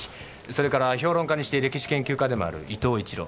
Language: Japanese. それから評論家にして歴史研究家でもある伊藤一郎。